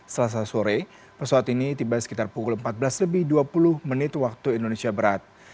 selasa sore pesawat ini tiba sekitar pukul empat belas lebih dua puluh menit waktu indonesia berat